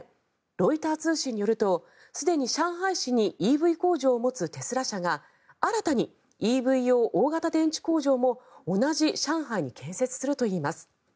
ロイター通信によるとすでに上海市にＥＶ工場を持つテスラ社が新たにＥＶ用大型電池工場も同じ上海に建設するといいます。